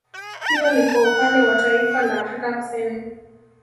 Hiyo ni kwa Upande wa Taifa la Afrika Kusini